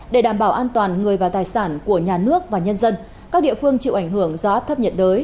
để đảm bảo an toàn người và tài sản của nhà nước và nhân dân các địa phương chịu ảnh hưởng do áp thấp nhiệt đới